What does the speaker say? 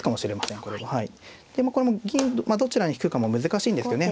これも銀どちらに引くかも難しいんですけどね。